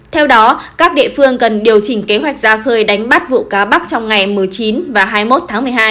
theo đó các địa phương cần điều chỉnh kế hoạch ra khơi đánh bắt vụ cá bắc trong ngày một mươi chín và hai mươi một tháng một mươi hai